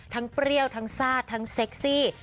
ทั้งเปรี้ยวทั้งซาดทั้งเซ็กซี่